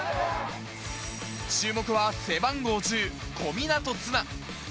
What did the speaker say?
注目は背番号１０・小湊絆。